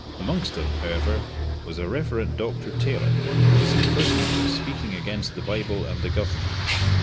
Amongst them, however, was a Rev. Dr. Taylor, who was imprisoned for speaking against the bible and the government.